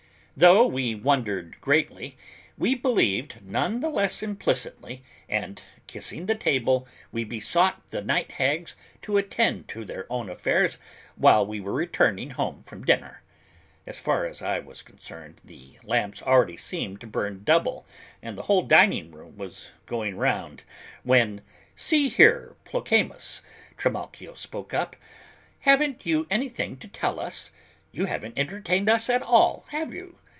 Though we wondered greatly, we believed none the less implicitly and, kissing the table, we besought the night hags to attend to their own affairs while we were returning home from dinner. As far as I was concerned, the lamps already seemed to burn double and the whole dining room was going round, when "See here, Plocamus," Trimalchio spoke up, "haven't you anything to tell us? You haven't entertained us at all, have you?